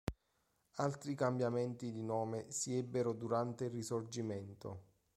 Altri cambiamenti di nome si ebbero durante il Risorgimento.